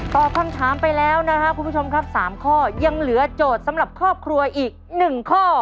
ตอบคำถามไปแล้วนะครับคุณผู้ชมครับ๓ข้อยังเหลือโจทย์สำหรับครอบครัวอีก๑ข้อ